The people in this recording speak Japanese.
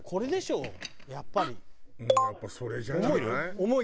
うんやっぱりそれじゃない？